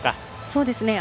そうですね